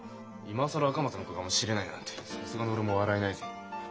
今更赤松の子かもしれないなんてさすがの俺も笑えないぜ。